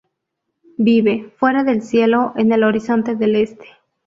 Vive "fuera del cielo, en el horizonte del este".